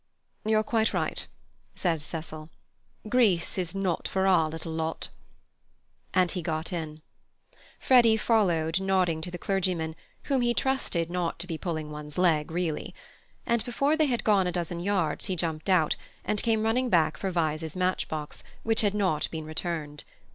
"You're quite right," said Cecil. "Greece is not for our little lot"; and he got in. Freddy followed, nodding to the clergyman, whom he trusted not to be pulling one's leg, really. And before they had gone a dozen yards he jumped out, and came running back for Vyse's match box, which had not been returned.